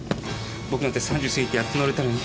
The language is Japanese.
僕なんて３０過ぎてやっと乗れたのに。